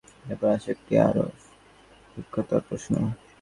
তারপর আসে একটি আরও সূক্ষ্মতর প্রশ্ন।